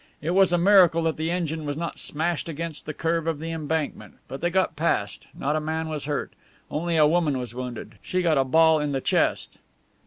It was a miracle that the engine was not smashed against the curve of the embankment. But they got past. Not a man was hurt. Only a woman was wounded. She got a ball in the chest."